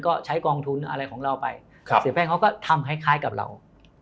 ก็ใช้กองทุนอะไรของเราไปเสียแป้งเขาก็ทำคล้ายกับเรา